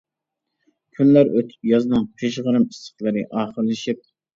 كۈنلەر ئۆتۈپ يازنىڭ پىژغىرىم ئىسسىقلىرى ئاخىرلىشىپ.